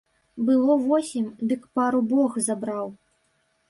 Было восем, дык пару бог забраў.